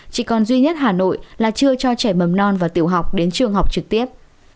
chỉ còn duy nhất hà nội là chưa cho trẻ mầm non và tiểu học đến trường học trực tiếp